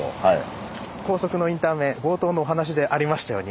高速のインター名冒頭のお話でありましたように。